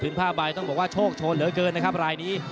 ผิดภาพบายต้องบอกว่าโชคโชคเยอะเกินนะครับลายนี้